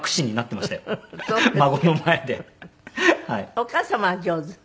お母様は上手？